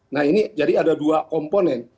nah ini jadi ada dua komponen